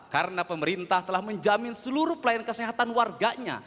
karena pemerintah telah menjamin seluruh pelayanan kesehatan warganya